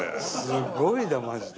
すごいなマジで。